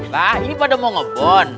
pak ini pada mau ngebon